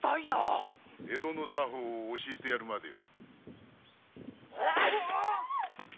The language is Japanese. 江戸の作法を教えてやるまでよ。